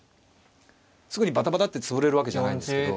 すぐにバタバタッて潰れるわけじゃないんですけど。